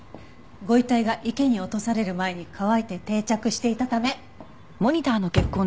ご遺体が池に落とされる前に乾いて定着していたため。